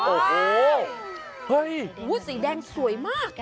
โอ้โฮเฮ่ยอู๋สีแดงสวยมาก